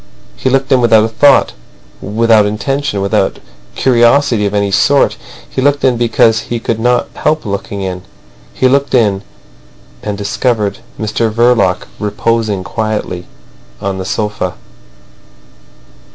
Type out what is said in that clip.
He looked in without a thought, without intention, without curiosity of any sort. He looked in because he could not help looking in. He looked in, and discovered Mr Verloc reposing quietly on the sofa.